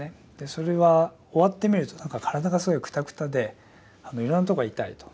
それは終わってみるとなんか体がすごいくたくたでいろんなとこが痛いと。